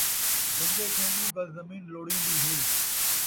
بندے کوں ݙو گز زمین لوڑیندی ہے